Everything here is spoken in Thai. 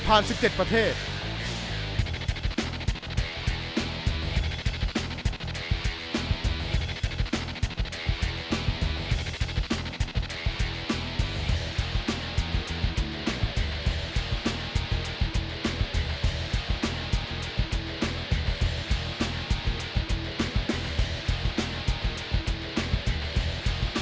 แกร่งจริง